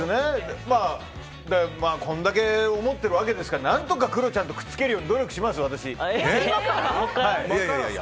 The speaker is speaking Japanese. こんだけ怒ってるわけですから何とかクロちゃんとくっつけるように努力します、私。